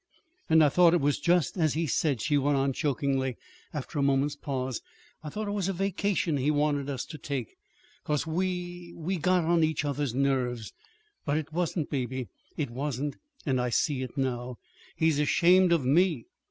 "And I thought it was just as he said," she went on chokingly, after a moment's pause. "I thought it was a vacation he wanted us to take, 'cause we we got on each other's nerves. But it wasn't, Baby, it wasn't; and I see it now. He's ashamed of me.